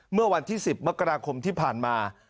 เมื่อวันที่๑๐มกราคมที่ผ่านมา